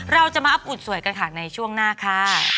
เราจะมาอับอุดสวยกันค่ะในช่วงหน้าค่ะ